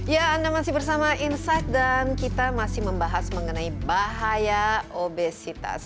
ya anda masih bersama insight dan kita masih membahas mengenai bahaya obesitas